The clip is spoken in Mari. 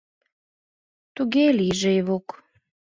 Туге лийже, Ивук!